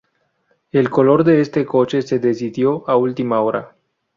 El color de este coche se decidió a última hora.